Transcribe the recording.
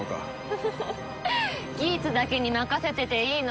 フフフギーツだけに任せてていいの？